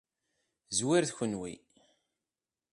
Zwiret kenwi.